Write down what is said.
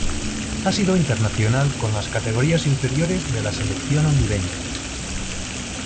Ha sido Internacional con las Categorías Inferiores de la Selección Hondureña.